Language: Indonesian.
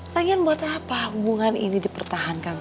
lagian buat apa hubungan ini dipertahankan